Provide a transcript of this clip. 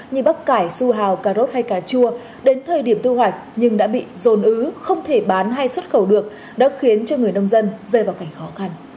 như bắp cải su hào cà rốt hay cà chua đến thời điểm thu hoạch nhưng đã bị dồn ứ không thể bán hay xuất khẩu được đã khiến cho người nông dân rơi vào cảnh khó khăn